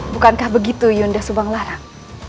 bukankah begitu yunda subanglarang